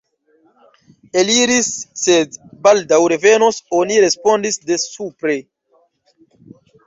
Eliris, sed baldaŭ revenos, oni respondis de supre.